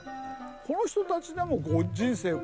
この人たちでも人生５０年。